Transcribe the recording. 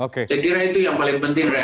saya kira itu yang paling penting